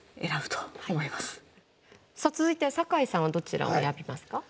さあ続いて坂井さんはどちらを選びますか。